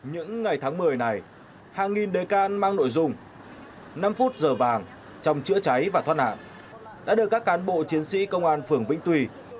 những ngày tháng một mươi này hàng nghìn đề can mang nội dung năm phút giờ vàng trong chữa cháy và thoát nạn đã được các cán bộ chiến sĩ công an phường vĩnh tuy